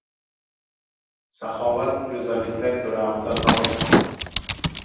Sahovat go‘zallikdan ko‘ra afzalroq.